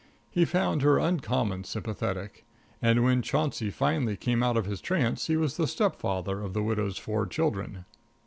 He found her uncommon sympathetic. And when Chauncey finally came out of his trance he was the stepfather of the widow's four children.